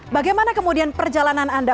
bagaimana kemudian perjalanan anda